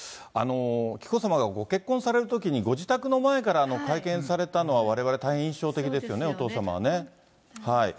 紀子さまがご結婚されるときに、ご自宅の前から会見されたのは、われわれ、大変印象的ですよね、お父様はね。